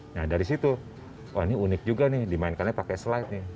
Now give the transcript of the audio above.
nah dari situ wah ini unik juga nih dimainkannya pakai slide nih